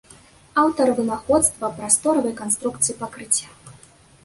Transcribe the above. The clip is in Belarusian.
Аўтар вынаходства прасторавай канструкцыі пакрыцця.